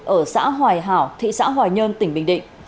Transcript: ở xã hòi hảo thị xã hòi nhơn tỉnh bình định